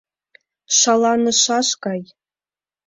Шаланышаш гай!